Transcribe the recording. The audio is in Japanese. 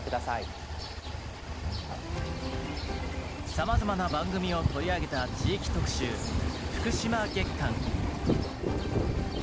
さまざまな番組を取り上げた地域特集福島月間。